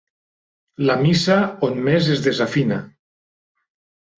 La missa on més es desafina.